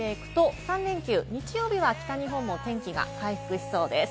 ３連休、日曜日は北日本も天気が回復しそうです。